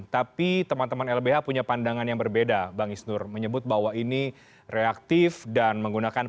tapi teman teman lbh punya pandangan yang berbeda bang isnur menyebut bahwa ini reaktif dan menggunakan